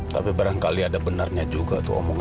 tapi barangkali ada benarnya juga tuh omongan